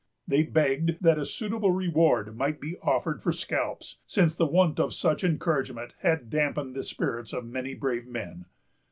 They begged that a suitable reward might be offered for scalps, since the want of such encouragement had "damped the spirits of many brave men."